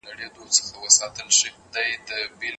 اشهد الله لااله الاالله، اشهد الله لااله الاالله،